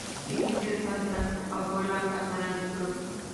Iglesia de Santa Águeda, patrona del pueblo.